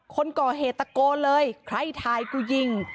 คนก่อเหตุตะโกเลยไล้ไทยกูยิ้ง